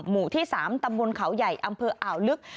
หมู่ที่๓ตำบลเขาใหญ่อำเภออ่าวลึก